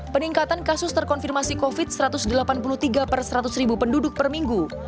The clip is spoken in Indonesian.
peningkatan kasus terkonfirmasi covid satu ratus delapan puluh tiga per seratus ribu penduduk per minggu